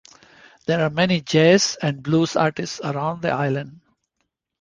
There are many jazz and Blues Artists around the Island.